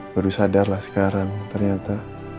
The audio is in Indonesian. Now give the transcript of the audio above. baru sadarlah sekarang ternyata